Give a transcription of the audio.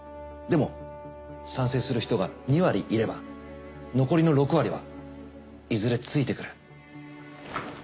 でも賛成する人が２割いれば残りの６割はいずれついてくる。